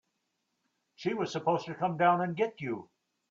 She was supposed to come down and get you.